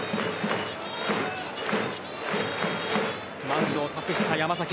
マウンドを託した山崎。